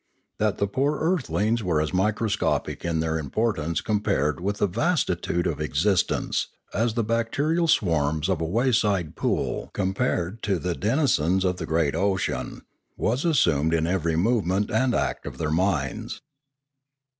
That the poor earthlings were as microscopic in their import ance compared with the vastitude of existence, as the bacterial swarms of a wayside pool compared to the 476 Limanora denizens of the great ocean, was assumed in every movement and act of their minds.